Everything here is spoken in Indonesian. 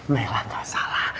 nailah gak salah